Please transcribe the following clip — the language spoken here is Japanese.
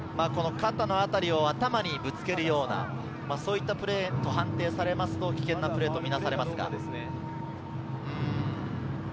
肩のあたりを頭にぶつけるような、そういったプレーと判定されると、危険なプレーとみなされます。